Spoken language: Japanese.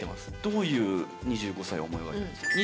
どういう２５歳を思い描いてるんですか？